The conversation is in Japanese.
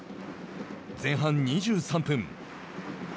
前半２３分。